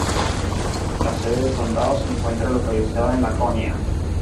La sede del condado se encuentra localizada en Laconia.